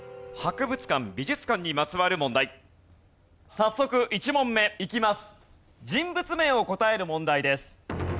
早速１問目いきます。